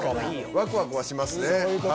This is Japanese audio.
ワクワクはしますね。